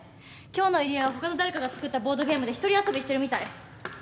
今日の入江はほかの誰かが作ったボードゲームで一人遊びしてるみたい。